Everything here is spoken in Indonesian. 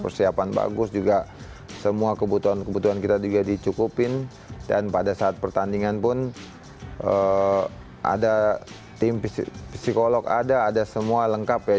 persiapan bagus juga semua kebutuhan kebutuhan kita juga dicukupin dan pada saat pertandingan pun ada tim psikolog ada ada semua lengkap ya